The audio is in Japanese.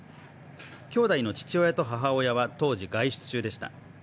兄弟の父親と母親は当時外出中でした。